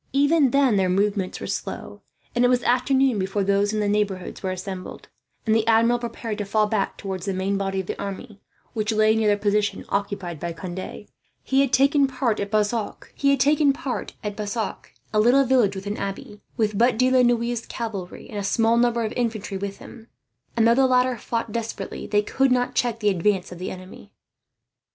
Even then their movements were slow, and it was afternoon before those in the neighbourhood were assembled, and the Admiral prepared to fall back towards the main body of the army, which lay near the position occupied by Conde. But before this could be done, the whole Royalist army were upon him. He had taken part at Bassac, a little village with an abbey, with but De la Noue's cavalry and a small number of infantry with him; and though the latter fought desperately, they could not check the advance of the enemy.